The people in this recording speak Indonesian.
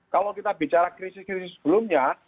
kalau kita bicara krisis krisis sebelumnya